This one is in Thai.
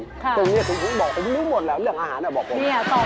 คุณนี้ผมรู้หมดแล้วเรื่องอาหารบอกผม